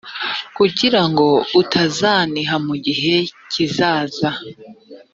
kugira ngo utazaniha mu gihe kizaza